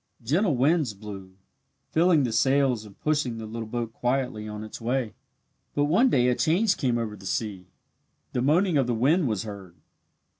Gentle winds blew, filling the sails and pushing the little boat quietly on its way. But one day a change came over the sea. The moaning of the wind was heard.